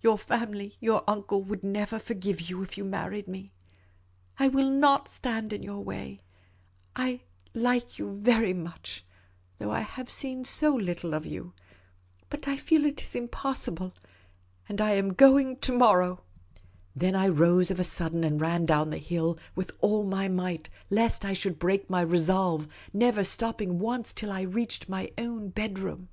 Your family, your uncle, would never forgive you if you married me. I will not stand in your way. I — I like you very much, though I have seen so little of you. But I feel it is impossible — and I am going to morrow." Then I rose of a sudden, and ran down the hill with all my might, lest I should break my resolve, never stopping once till I reached my own bedroom.